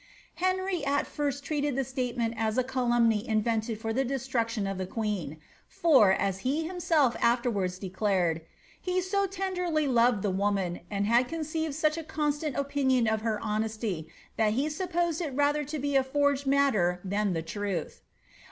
Henry at first treated the statement as a calumny invented for the destruction of the queen ; for, as he himself afterwaida declared, <^ he so tenderly loved the woman, and had conceived such a constant opinioa of her honesty, that he supposed it rather to be a forged matter than the truth.''